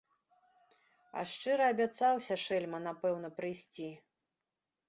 А шчыра абяцаўся, шэльма, напэўна прыйсці.